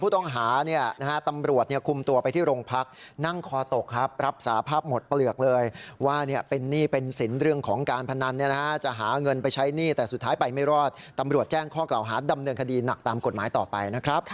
ต้องไปช่วยเหลือดีมันก็วิ่งไป